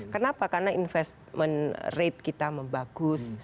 kenapa karena investment rate kita membagus